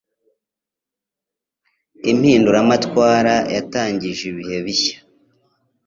Impinduramatwara yatangije ibihe bishya.